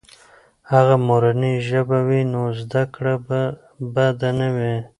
که مورنۍ ژبه وي، نو زده کړه به بده نه وي.